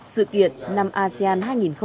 sự kiện năm asean hai nghìn hai mươi